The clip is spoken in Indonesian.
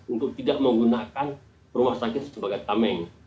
untuk tidak menggunakan rumah sakit sebagai tameng